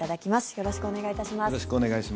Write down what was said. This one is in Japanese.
よろしくお願いします。